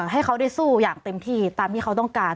ให้เขาได้สู้อย่างเต็มที่ตามที่เขาต้องการ